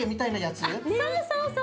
そうそうそう！